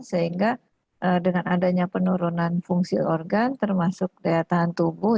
sehingga dengan adanya penurunan fungsi organ termasuk daya tahan tubuh